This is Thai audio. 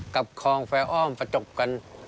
กับคลองแฟอ้อมประจบกัน